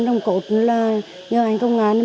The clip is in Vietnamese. đồng cột là như anh công an